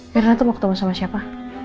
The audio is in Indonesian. mirna tuh mau ketemu sama siapa